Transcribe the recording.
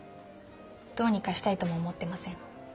どうにかしたいとも思ってません。